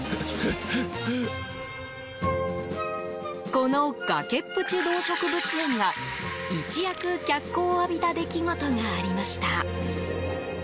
この崖っぷち動植物園が一躍脚光を浴びた出来事がありました。